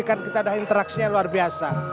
kan kita ada interaksinya yang luar biasa